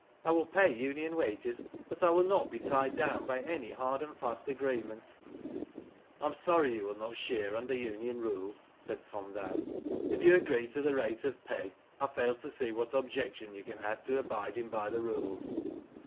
" I will pay union wages, but I will not be tied down by any hard and fast agreement/' I am sorry you will not shear under union rules," said Tom Dow. " If you agree to the rate of pay, I fail to see what objection you can have to abiding by the rules."